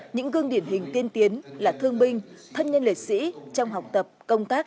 những gương điển hình tiên tiến là thương binh thân nhân liệt sĩ trong học tập công tác